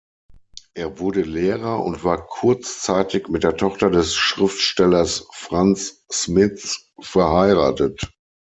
Er wurde Lehrer und war kurzzeitig mit der Tochter des Schriftstellers Frans Smits verheiratet.